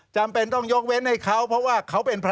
จำเป็นต้องยกเว้นให้เขาเพราะว่าเขาเป็นพระ